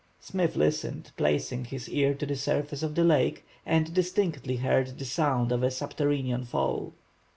Smith listened, placing his ear to the surface of the lake, and distinctly heard the sound of a subterranean fall.